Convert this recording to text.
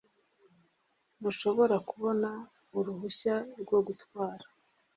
Nshobora kubona uruhushya rwo gutwara